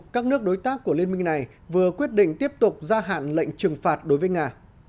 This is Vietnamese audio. các nước đối tác của liên minh này vừa quyết định tiếp tục gia hạn lệnh trừng phạt đối với nga